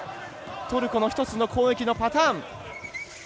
トルコの一つの攻撃のパターン。